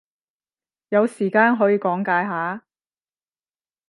有時間可以講解下？